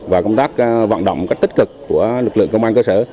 và công tác vận động một cách tích cực của lực lượng công an cơ sở